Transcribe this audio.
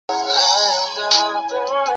三巴旺的名称是来至。